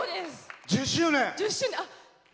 １０周年。